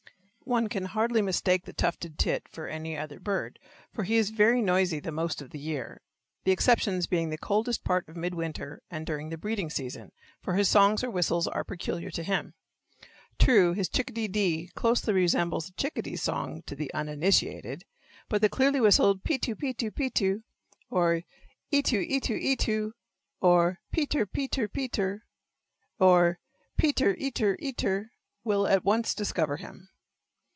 One can hardly mistake the tufted tit for any other bird, for he is very noisy the most of the year, the exceptions being the coldest part of mid winter and during the breeding season, for his songs or whistles are peculiar to him. True, his chick a dee dee closely resembles the chickadee's song to the uninitiated, but the clearly whistled pe to, pe to, pe to, or ee to, ee to, ee to, or pe ter, pe ter, pe ter, or pe ter, e ter, e ter will at once discover him.